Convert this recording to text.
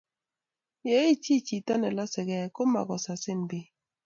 ye ichi chito ne losei gei ko mukusasin biik